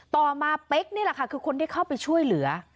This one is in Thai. ต่อมาเป๊กนี่แหละค่ะคือคนที่เข้าไปช่วยเหลือ